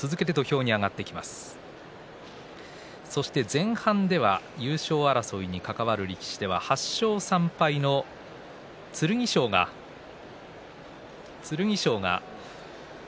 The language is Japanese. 前半では、優勝争いに関わる力士８勝３敗の剣翔。